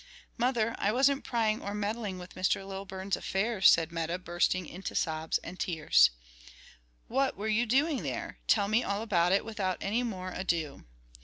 "Mother, I wasn't prying or meddling with Mr. Lilburn's affairs," said Meta, bursting into sobs and tears. "What were you doing there? tell me all about it without any more ado."